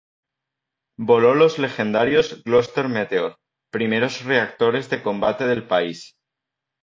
Voló los legendarios Gloster Meteor, primeros reactores de combate del país.